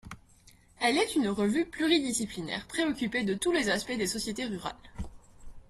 Elle est une revue pluridisciplinaire préoccupée de tous les aspects des sociétés rurales.